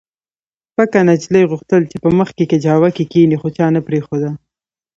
پکه نجلۍ غوښتل چې په مخکې کجاوو کې کښېني خو چا نه پرېښوده